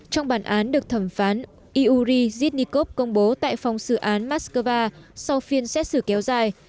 trong bản án được thẩm phán iuuri zydnikov công bố tại phòng xử án moscow sau phiên xét xử kéo dài